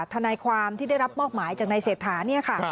ทนายความที่ได้รับมอบหมายจากนายเศรษฐาเนี่ยค่ะ